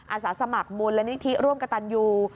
อาศาสมัครมูลและนิติร่วมกับตันยู